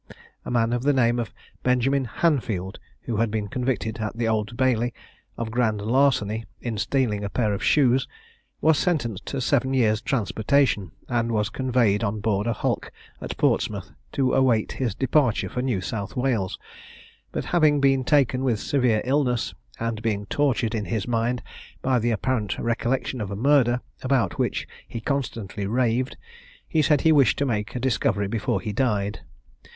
A man of the name of Benjamin Hanfield, who had been convicted, at the Old Bailey, of grand larceny, in stealing a pair of shoes, was sentenced to seven years' transportation, and was conveyed on board a hulk at Portsmouth, to await his departure for New South Wales; but having been taken with a severe illness, and being tortured in his mind by the apparent recollection of a murder, about which he constantly raved, he said he wished to make a discovery before he died.